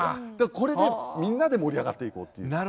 これでみんなで盛り上がっていこうっていう。